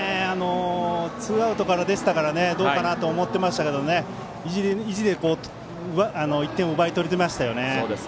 ツーアウトからでしたからどうかなと思っていましたけど意地で１点を奪い取りましたね。